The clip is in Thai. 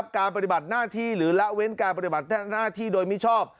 ปฏิบัติหน้าที่หรือละเว้นการปฏิบัติหน้าที่โดยมิชอบ